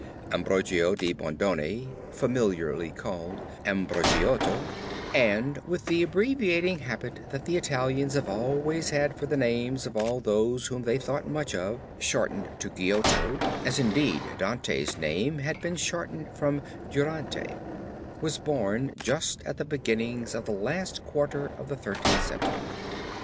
Ambrogio de Bondone familiarly called Ambrogiotto (and with the abbreviating habit that the Italians have always had for the names of all those of whom they thought much shortened to Giotto, as indeed Dante's name had been shortened from Durante) was born just at the beginning of the last quarter of the Thirteenth Century.